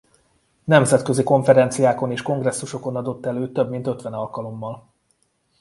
Nemzetközi konferenciákon és kongresszusokon adott elő több mint ötven alkalommal.